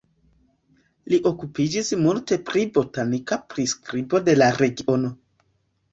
Li okupiĝis multe pri botanika priskribo de la regiono.